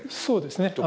そうですね。